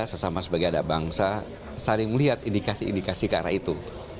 sesama sebagai anak bangsa saling melihat indikasi indikasi ke arah itu